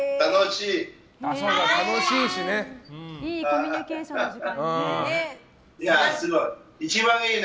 いいコミュニケーションの時間にね。